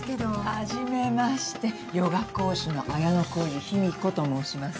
はじめましてヨガ講師の綾小路緋美子と申します。